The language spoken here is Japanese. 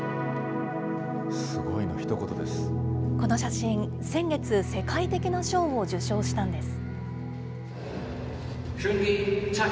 この写真、先月、世界的な賞を受賞したんです。